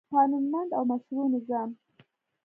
قانونمند او مشروع نظام